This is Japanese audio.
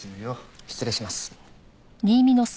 失礼します。